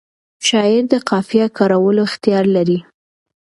شاعر د قافیه کارولو اختیار لري.